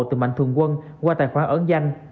từ mạnh thường quân qua tài khoản ẩn danh